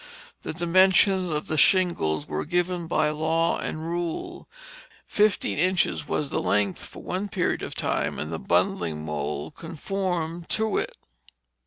The dimensions of the shingles were given by law and rule; fifteen inches was the length for one period of time, and the bundling mould conformed to it.